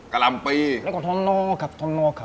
เส้นกี่กิโรค